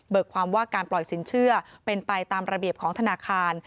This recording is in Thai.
ความว่าการปล่อยสินเชื่อเป็นไปตามระเบียบของธนาคาร